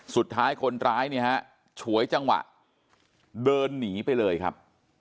สุดท้ายคนร้ายเนี่ยฮะฉวยจังหวะเดินหนีไปเลยครับ